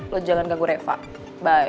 lo jangan ganggu reva baik